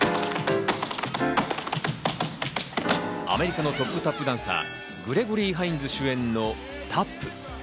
アメリカのトップタップダンサー、グレゴリー・ハインズ主演のタップ。